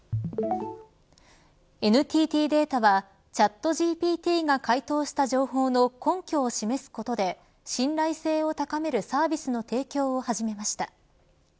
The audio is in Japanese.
ＮＴＴデータはチャットＧＰＴが回答した情報の根拠を示すことで信頼性を高めるサービスの提供を始めました。